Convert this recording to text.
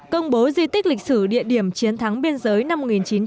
công bố di tích lịch sử địa điểm chiến thắng biên giới năm một nghìn chín trăm bảy mươi